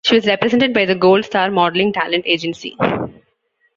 She was represented by the Gold Star Modeling talent agency.